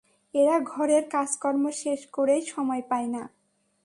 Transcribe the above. এরা ঘরের কাজকর্ম শেষ করেই সময় পায় না!